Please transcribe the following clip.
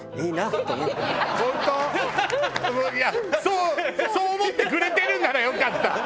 いやそうそう思ってくれてるならよかった。